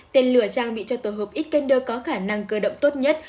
tên lửa trang bị cho tổ hợp iskander có khả năng cơ động tốt nhất